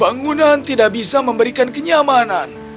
bangunan tidak bisa memberikan kenyamanan